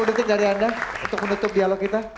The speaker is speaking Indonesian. tiga puluh detik dari anda untuk menutup dialog kita